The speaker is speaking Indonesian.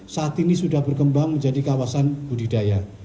saat ini sudah berkembang menjadi kawasan budidaya